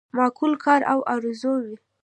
معقول کار او آرزو وي.